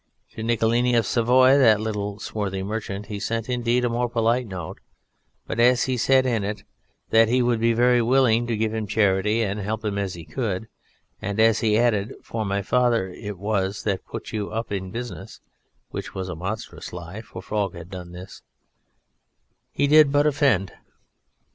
To Niccolini of Savoy, the little swarthy merchant, he sent indeed a more polite note, but as he said in it "that he would be very willing to give him charity and help him as he could" and as he added "for my father it was that put you up in business" (which was a monstrous lie, for Frog had done this) he did but offend.